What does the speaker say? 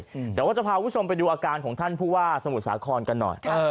แต่ว่าจะพาคุณผู้ชมไปดูอาการของท่านผู้ว่าสมุทรสาครกันหน่อยเออ